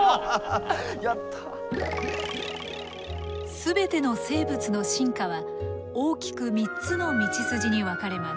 全ての生物の進化は大きく３つの道筋に分かれます。